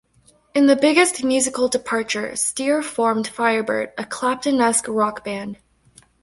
In the biggest musical departure, Steer formed Firebird, a Clapton-esque rock band.